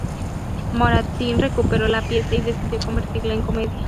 Moratín recuperó la pieza y decidió convertirla en comedia.